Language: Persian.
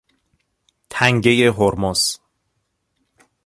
تنگهی هرمز